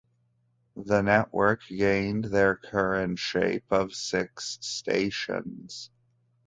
The network gained their current shape of six stations.